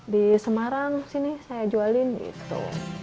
di semarang sini saya jualin gitu